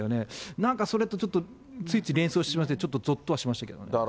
なんかそれとちょっと、ついつい連想してしまいまして、ちょっとぞっとはしましたけれどもね。